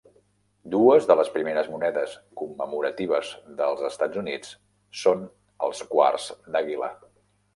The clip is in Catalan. Dues de les primeres monedes commemoratives dels Estats Units són els quarts d'àguila.